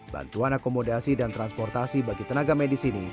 bantuan akomodasi dan transportasi bagi tenaga medis ini